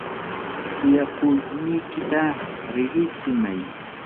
kuyakuynikita riqitsimay.